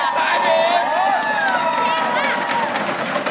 ปล่อยที่ปุ่นตายดี